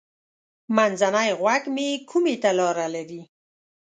منځنی غوږ هم کومي ته لاره لري.